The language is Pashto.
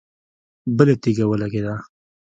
بله تيږه ولګېده.